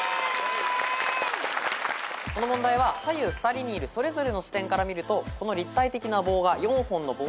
この問題は左右２人のいるそれぞれの視点から見るとこの立体的な棒が４本の棒に見える。